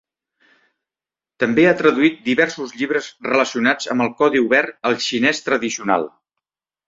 També ha traduït diversos llibres relacionats amb el codi obert al xinès tradicional.